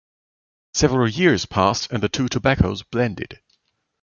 Several years passed and the two tobaccos blended.